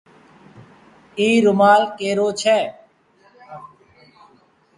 اي رومآل ڪي رو ڇي۔